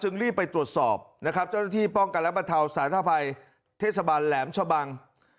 ซึ่งรีบมุยไปตรวจสอบเจ้าหน้าที่ป้องกันและบรรทาวศาลภัยเทศบาลแหลมชะบัง